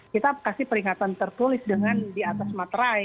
kita kasih peringatan tertulis dengan di atas materai